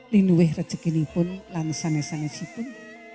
linuweh rejeki ni pun lan sane sane si pun